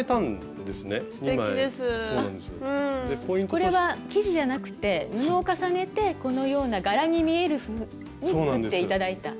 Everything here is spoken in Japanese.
これは生地じゃなくて布を重ねてこのような柄に見えるふうに作って頂いた。